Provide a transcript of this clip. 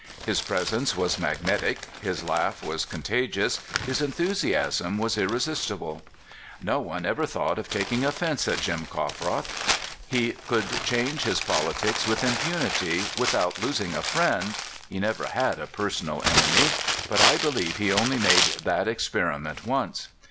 His presence was magnetic ; his laugh was conta gious ; his enthusiasm was irresistible. No one ever thought of taking offense at Jim Coffroth. He could change his politics with impunity, without losing a friend — he never had a personal enemy — but I beheve he only made that experiment once.